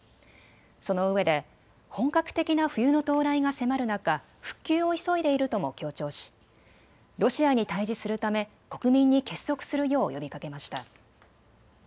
そのうえで本格的な冬の到来が迫る中、復旧を急いでいるとも強調しロシアに対じするため国民に結束するよう呼びかけました。